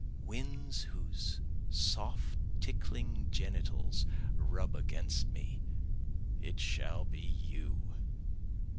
Winds whose soft tickling genitals rub against me it shall be you!